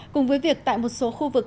cùng với việc tại một số khu vực